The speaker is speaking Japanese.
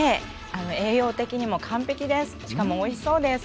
栄養的にも完璧です。